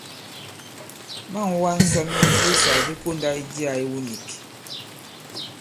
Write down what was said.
Ma᷇ŋ wā ŋsɔn mu ibussàk di kondā i jiā iwu nīk.